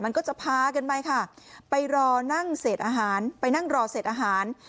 มันก็จะพากันไปค่ะไปรอนั่งเศษอาหารไปนั่งรอเศษอาหาร